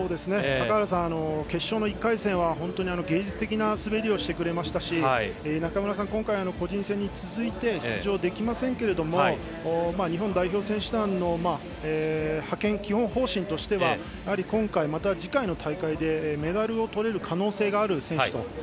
高原さんは決勝の１回戦は芸術的な滑りをしてくれましたし中村さんは今回は個人戦に続いて出場できませんけれども日本代表選手団の派遣基本方針としては今回また次回の大会でメダルをとれる可能性がある選手。